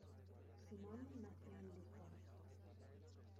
Simone nació en Lisboa.